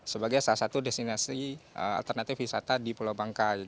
sebagai salah satu destinasi alternatif wisata di pulau bangka